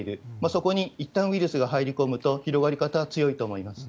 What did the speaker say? そこにいったんウイルスが入り込むと、広がり方は強いと思います。